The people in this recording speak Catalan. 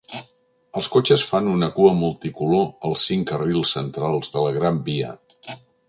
Els cotxes fan una cua multicolor als cinc carrils centrals de la Gran Via.